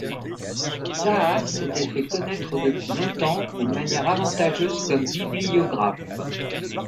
Saas s’était fait connaître depuis longtemps d’une manière avantageuse comme bibliographe.